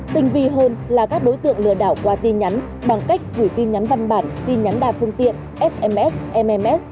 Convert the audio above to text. tinh vi hơn là các đối tượng lừa đảo qua tin nhắn bằng cách gửi tin nhắn văn bản tin nhắn đa phương tiện sms mm ms